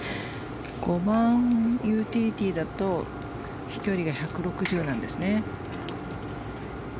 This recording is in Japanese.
５番ユーティリティーだと飛距離が１６０なんですね。